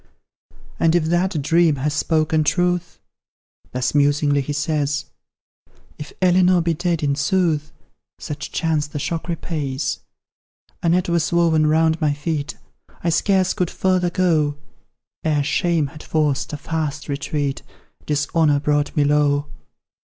"And if that dream has spoken truth," Thus musingly he says; "If Elinor be dead, in sooth, Such chance the shock repays: A net was woven round my feet, I scarce could further go; Ere shame had forced a fast retreat, Dishonour brought me low.